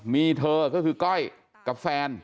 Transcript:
มีเธอก็คือก้อยกับแฟน